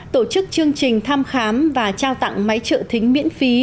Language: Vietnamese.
tổ chức chương trình thăm khám và trao tặng máy trợ thính miễn phí